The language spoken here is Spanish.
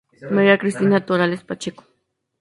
María Cristina Torales Pacheco.